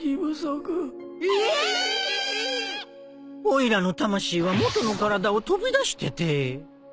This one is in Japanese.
おいらの魂は元の体を飛び出してて。